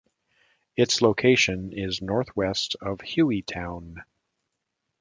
Its location is northwest of Hueytown.